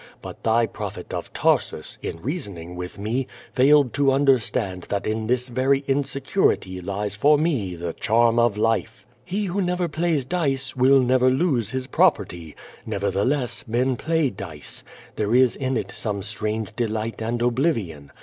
Hut tliy prophet of Tarsus^ in reasoning with me, failed to understand QUO VADIS. 297 that in this very insecurity lies for me the charm of life, ille who never plays dice, will never lose his property. Never (thelcss men play dice. There is in it some strange delight and oblivion.